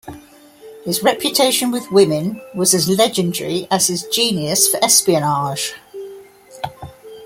His reputation with women was as legendary as his genius for espionage.